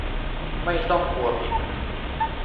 ไม่ต้องกลัวผิด